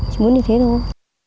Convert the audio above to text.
chỉ muốn như thế thôi